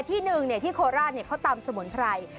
ที่หนึ่งที่โคราชเขาตำสมุนไพร